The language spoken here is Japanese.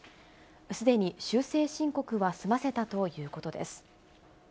すでに修正申告は済ませたということです。